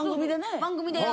番組でね。